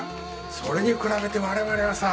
それに比べて我々はさあ。